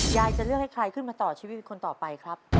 ยายจะเลือกให้ใครขึ้นมาต่อชีวิตคนต่อไปครับ